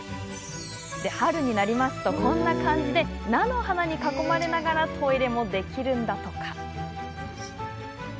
春になると、こんな感じで菜の花に囲まれながらトイレもできるんだとか。